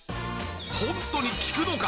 ホントに効くのか？